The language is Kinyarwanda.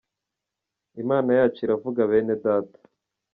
Imana yacu iravuga bene Data!.